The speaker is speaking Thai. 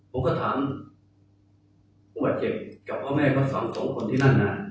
ผมก็ถามผู้บาดเจ็บกับพ่อแม่ทั้งสองคนที่นั่นน่ะ